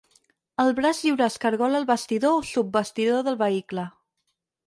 El braç lliure es cargola al bastidor o subbastidor del vehicle.